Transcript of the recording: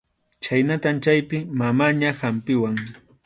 Chhaynatam chaypi mamaña hampiwan.